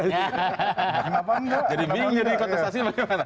jadi bingung jadi kontestasi